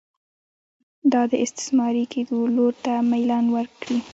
دا د استثماري کېدو لور ته میلان وکړي.